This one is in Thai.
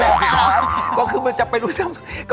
แล้วคุณพูดกับอันนี้ก็ไม่รู้นะผมว่ามันความเป็นส่วนตัวซึ่งกัน